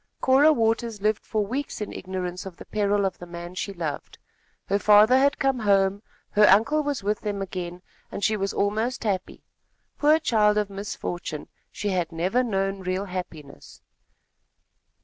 Cora Waters lived for weeks in ignorance of the peril of the man she loved. Her father had come home, her uncle was with them again, and she was almost happy. Poor child of misfortune, she had never known real happiness.